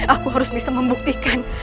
aku harus bisa membuktikan